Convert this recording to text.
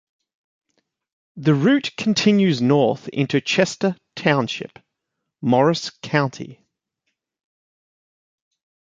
The route continues north into Chester Township, Morris County.